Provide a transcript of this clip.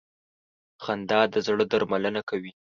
خندا د زړه درملنه کوي.